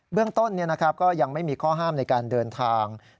เรื่องต้นก็ยังไม่มีข้อห้ามในการเดินทาง